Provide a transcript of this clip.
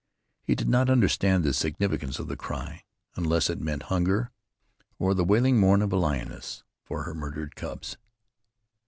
He did not understand the significance of the cry, unless it meant hunger, or the wailing mourn of a lioness for her murdered cubs.